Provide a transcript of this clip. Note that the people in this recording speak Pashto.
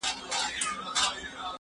زه به سبا ليک لولم وم!؟